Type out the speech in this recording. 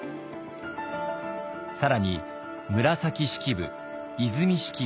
更に紫式部和泉式部